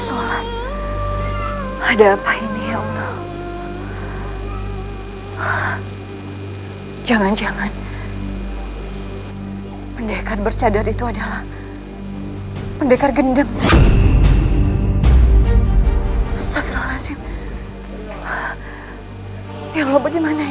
sholat ada apa ini ya allah ah jangan jangan pendekat bercadar itu adalah pendekat mimpi kuat yang berada di dalam kemampuan kita untuk menjaga kemanusiaan kita